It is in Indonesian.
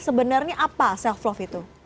sebenarnya apa selflove itu